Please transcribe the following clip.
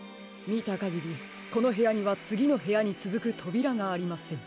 みたかぎりこのへやにはつぎのへやにつづくとびらがありません。